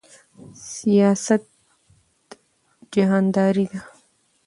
سیاست جهانداری ده